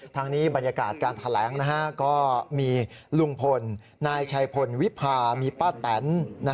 ทางนี้บรรยากาศการแถลงก็มีลุงพลนายชัยพลวิพามีป้าแตน